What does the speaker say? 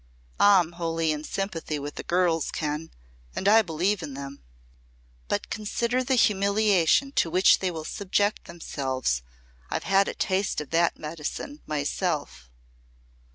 "I'm wholly in sympathy with the girls, Ken, and I believe in them." "But consider the humiliation to which they will subject themselves! I've had a taste of that medicine, myself."